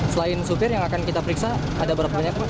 selain sopir yang akan kita periksa ada berapa banyak